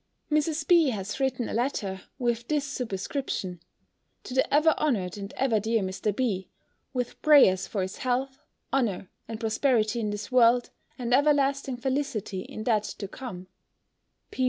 Mrs. B. has written a letter, with this superscription: "To the ever honoured and ever dear Mr. B., with prayers for his health, honour, and prosperity in this world, and everlasting felicity in that to come.